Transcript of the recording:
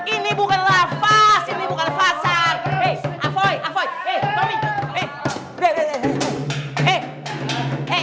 ini bukan lavas